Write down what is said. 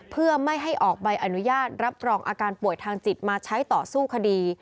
เพื่อไม่ให้ออกใบอนุญาตรับรองอาการป่วยทางจิตมาใช้ต่อสู้คดี